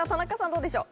どうでしょう？